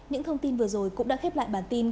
những thông tin vừa rồi cũng đã khép lại bản tin